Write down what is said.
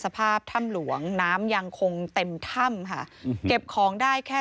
สภาพถ้ำหลวงน้ำยังคงเต็มถ้ำค่ะอืมเก็บของได้แค่